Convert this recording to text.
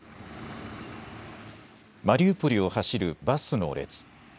マリウポリを走るバスの列。